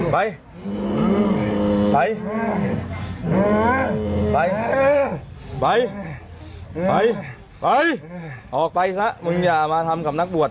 ไปไปไปออกไปซะมึงอย่ามาทำกับนักบวช